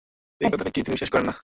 এই কথাটি কি তিনি বিশ্বাস করেন না?